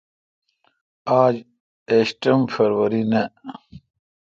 آج ایݭٹم فروری نہ۔